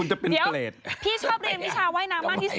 ตัวแปลบอย่างนี้